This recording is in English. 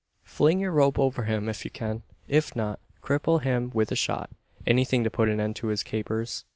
"Fling your rope over him, if you can. If not, cripple him with a shot anything to put an end to his capers."